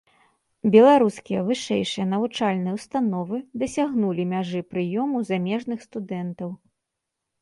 Беларускія вышэйшыя навучальным ўстановы дасягнулі мяжы прыёму замежных студэнтаў.